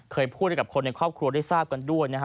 เคยพูดให้กับคนในครอบครัวได้ทราบกันด้วยนะฮะ